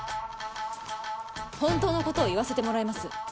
本当の事を言わせてもらいます。